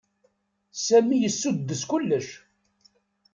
Sami yessuddes kullec.